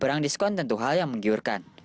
kurang diskon tentu hal yang menggiurkan